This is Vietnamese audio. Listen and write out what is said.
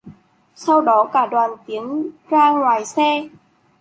Sau đó cả đoàn tiến ra ngoài xe